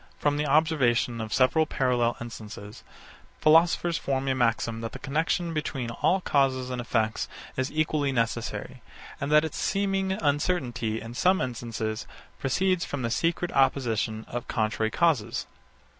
From the observation of several parallel instances, philosophers form a maxim that the connexion between all causes and effects is equally necessary, and that its seeming uncertainty in some instances proceeds from the secret opposition of contrary causes.